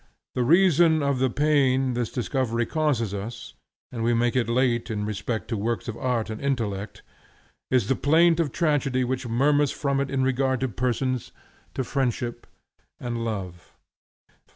The reason of the pain this discovery causes us (and we make it late in respect to works of art and intellect), is the plaint of tragedy which murmurs from it in regard to persons, to friendship and love.